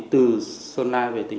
từ sơn lai về tây ninh